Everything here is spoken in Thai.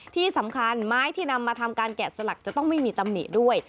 ที่สำคัญไม้ที่นำมาทำการแกะสลักจะต้องไม่มีตำหนิด้วย